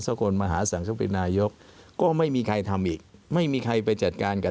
คนมหาสังคปินนายกก็ไม่มีใครทำอีกไม่มีใครไปจัดการกับ